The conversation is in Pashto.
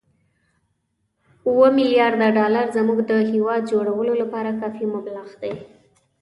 اووه ملیارده ډالر زموږ د هېواد جوړولو لپاره کافي مبلغ وو.